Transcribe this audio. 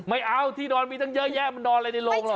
ไม่เอาที่นอนมีตั้งเยอะแยะมันนอนอะไรในโรงหรอ